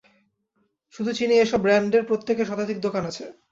শুধু চীনেই এসব ব্র্যান্ডের প্রত্যেকের শতাধিক দোকান আছে।